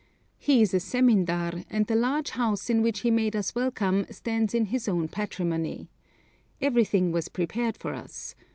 He is a zemindar, and the large house in which he made us welcome stands in his own patrimony. Everything was prepared for us.